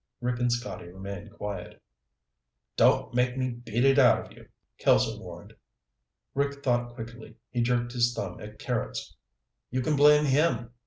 Rick and Scotty remained quiet. "Don't make me beat it out of you," Kelso warned. Rick thought quickly. He jerked his thumb at Carrots. "You can blame him.